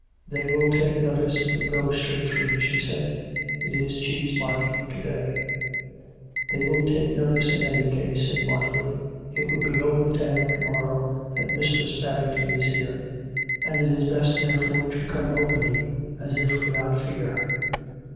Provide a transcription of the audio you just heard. " They will take notice if we go straight through," she said. " It is cheese market to day." " They will take notice in any case/' said Marjorie, " It will be over the town to morrow that Mistress Babington is here, and it is best, therefore, to come openly, as if without fear."